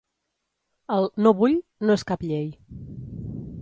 El «no vull» no és cap llei.